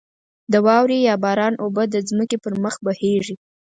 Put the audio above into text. د واورې یا باران اوبه د ځمکې پر مخ بهېږې.